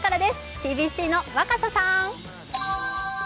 ＣＢＣの若狭さん。